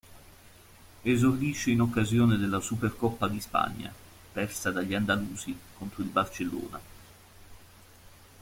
Esordisce in occasione della Supercoppa di Spagna, persa dagli andalusi contro il Barcellona.